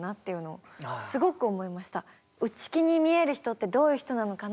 内気に見える人ってどういう人なのかな